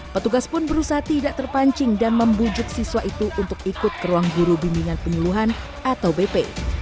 petugas pun berusaha tidak terpancing dan membujuk siswa itu untuk ikut ke ruang guru bimbingan penyuluhan atau bp